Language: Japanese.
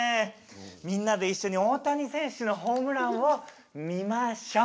みんなで一緒に大谷選手のホームランを見ましょう。